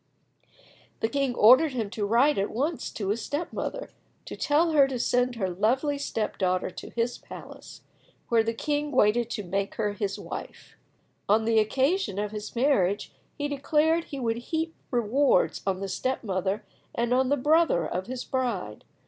The king ordered him to write at once to his step mother, to tell her to send her lovely step daughter to his palace, where the king waited to make her his wife. On the occasion of his marriage he declared he would heap rewards on the step mother and on the brother of his bride.